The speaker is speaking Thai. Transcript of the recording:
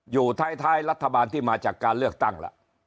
อยู่ท้ายรัฐบาลที่มาจากการเลือกตั้งล่ะ